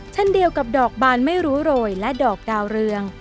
เช่นเดียวกับดอกบานไม่รู้โรยและดอกดาวเรือง